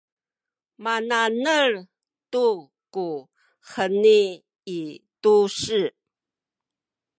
mana’nel tu ku heni i tu-se